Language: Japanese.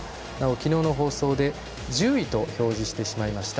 昨日の放送で１０位と表示してしまいました。